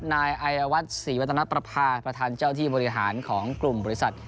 นายไอวัดศรีวัตนประภาประธานเจ้าที่บริหารของกลุ่มบริษัท